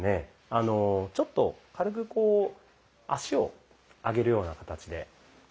あのちょっと軽くこう足を上げるような形で。